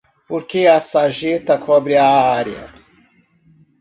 Por que a sarjeta cobre a área?